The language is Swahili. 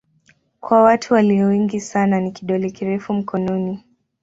Kwa watu walio wengi sana ni kidole kirefu mkononi.